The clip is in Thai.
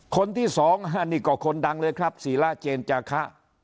คนที่สองนี่ก็คนดังเลยครับศีระเจนจาคะ